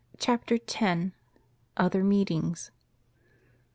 CHAPTER X. OTHER MEETINGS.